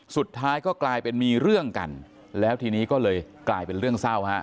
สุดท้ายก็กลายเป็นมีเรื่องกันแล้วทีนี้ก็เลยกลายเป็นเรื่องเศร้าฮะ